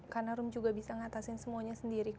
karena rum juga bisa ngatasin semuanya sendiri kan